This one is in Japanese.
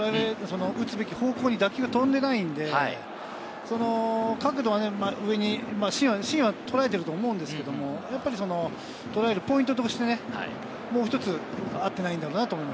とらえるべきポイント、打つべき方向に打球が飛んでいないので、角度は芯をとらえていると思うんですけど、とらえるポイントとして、もう一つあっていないんだろうなと思い